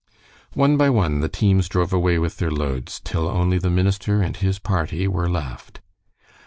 One by one the teams drove away with their loads, till only the minister and his party were left.